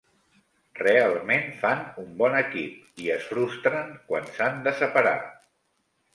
Realment fan un bon equip, i es frustren quan s'han de separar.